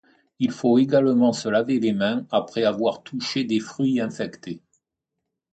Il faut également se laver les mains après avoir touché des fruits infectés.